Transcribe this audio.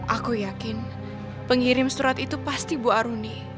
aku yakin pengirim surat itu pasti bu aruni